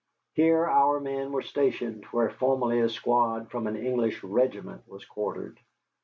Here our men were stationed, where formerly a squad from an English regiment was quartered.